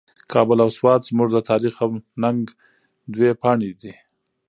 کابل او سوات زموږ د تاریخ او ننګ دوه پاڼې دي.